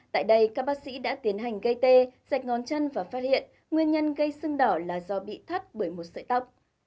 tại đây các bác sĩ đã tiến hành gây tê sạch ngón chân và phát hiện nguyên nhân gây sưng đỏ là do bị thắt bởi một sợi tóc